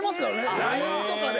ＬＩＮＥとかで。